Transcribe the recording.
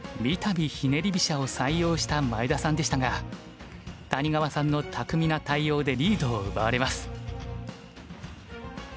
みたびひねり飛車を採用した前田さんでしたが谷川さんの巧みな対応でリードを奪われます。